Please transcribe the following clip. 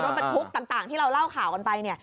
โดนเป็นฮุกต่างที่เราเล่าข่าวกันไป